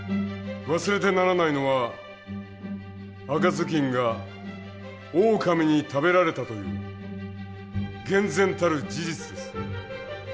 忘れてならないのは赤ずきんがオオカミに食べられたという厳然たる事実です。